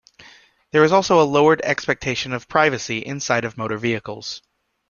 There is also a lowered expectation of privacy inside of motor vehicles.